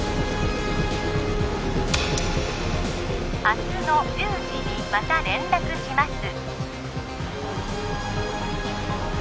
明日の１０時にまた連絡します